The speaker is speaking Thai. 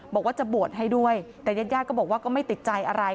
บอกว่าจะบวชให้ด้วยแต่เย็ดก็บอกว่าไม่ติดใจอะไร